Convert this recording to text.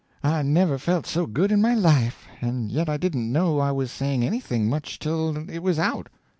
I never felt so good in my life; and yet I didn't know I was saying anything much till it was out.